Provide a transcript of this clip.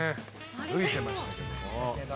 歩いてましたけど。